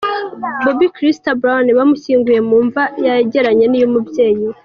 Bobbi Kristina Brown bamushyinguye mu mva yegeranye n’iy’umubyeyi we.